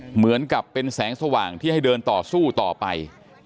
เหมือนกับเป็นแสงสว่างที่ให้เดินต่อสู้ต่อไป